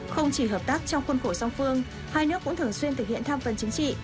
không chỉ hợp tác trong khuôn khổ song phương hai nước cũng thường xuyên thực hiện tham vấn chính trị